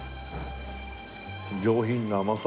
上品な甘さ。